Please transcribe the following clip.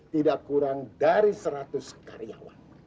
tidak kurang dari seratus karyawan